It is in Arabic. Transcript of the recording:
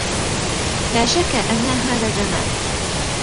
لا شك أن هذا جمال.